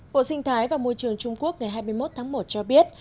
bộ sinh thái và môi trường trung quốc ngày hai mươi một tháng một cho biết